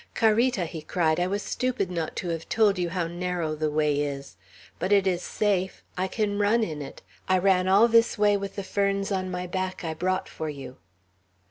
"Carita," he cried, "I was stupid not to have told you how narrow the way is; but it is safe. I can run in it. I ran all this way with the ferns on my back I brought for you."